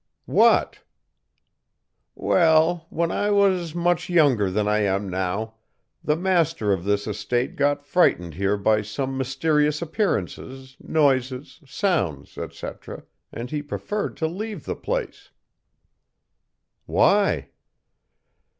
"'What?' "'Well, when I was much younger than I am now, the master of this estate got frightened here by some mysterious appearances, noises, sounds, etc., and he preferred to leave the place.' "'Why?'